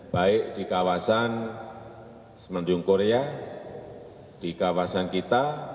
baik di kawasan semenanjung korea di kawasan kini